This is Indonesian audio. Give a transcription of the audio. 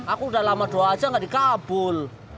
aku udah lama doa aja gak dikabul